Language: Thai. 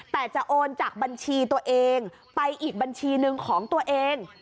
แต่จะโอนจากบัญชีตัวเองไปอีกบัญชีหนึ่งของตัวเอง